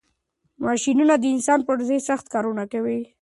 ماشینونه د انسانانو پر ځای سخت کارونه کوي.